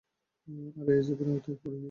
তারা এ আযাবের আওতায় পড়েনি।